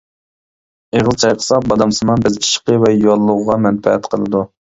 ئېغىز چايقىسا بادامسىمان بەز ئىششىقى ۋە ياللۇغىغا مەنپەئەت قىلىدۇ.